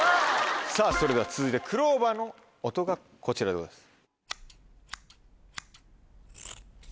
さぁそれでは続いてクローバーの音がこちらでございます。